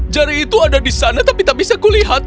jari itu ada di sana tapi tak bisa kulihat